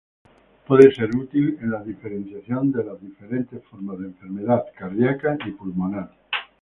Puede ser útil en la diferenciación de diferentes formas de enfermedad cardíaca y pulmonar.